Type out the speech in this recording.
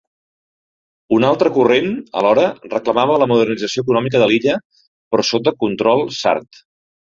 Un altre corrent, alhora, reclamava la modernització econòmica de l'illa, però sota control sard.